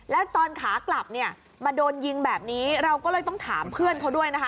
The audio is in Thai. แล้วตอนขากลับเนี่ยมาโดนยิงแบบนี้เราก็เลยต้องถามเพื่อนเขาด้วยนะคะ